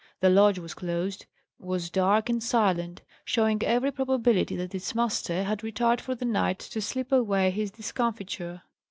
The lodge was closed, was dark and silent, showing every probability that its master had retired for the night to sleep away his discomfiture.